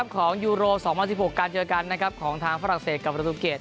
ของยูโร๒๐๑๖การเจอกันของทางฝรั่งเศสกับประตูเกต